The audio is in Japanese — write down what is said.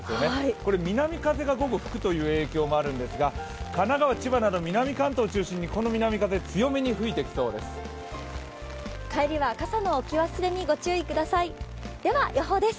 これ南風が午後吹くという影響もあるんですが神奈川、千葉など、南関東を中心に南風は吹きそうです。